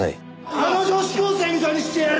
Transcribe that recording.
あの女子高生みたいにしてやる！